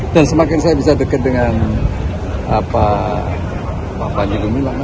dan semakin saya bisa dekat dengan pak panji bumilang